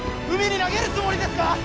海に投げるつもりですか！？